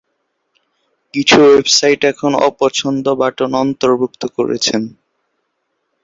কিছু ওয়েবসাইট এখন অপছন্দ বাটন অন্তর্ভুক্ত করেছেন।